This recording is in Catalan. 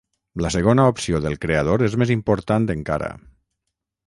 La segona opció del creador és més important encara.